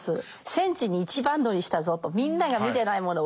戦地に一番乗りしたぞとみんなが見てないもの